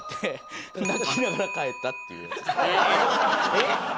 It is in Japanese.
えっ？